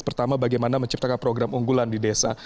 pertama bagaimana menciptakan program unggulan di desa